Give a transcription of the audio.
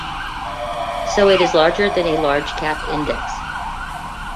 So it is larger than a large-cap index.